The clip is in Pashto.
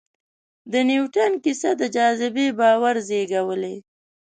د نیوټن کیسه د جاذبې باور زېږولی.